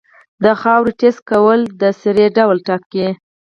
د خاورې ټیسټ کول د سرې ډول ټاکي.